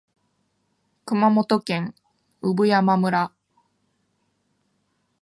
熊本県産山村